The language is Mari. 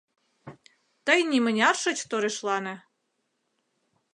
Тый нимыняр шыч торешлане.